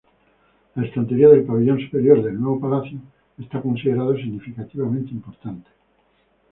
La estantería del pabellón superior del Nuevo Palacio es considerado significativamente importante.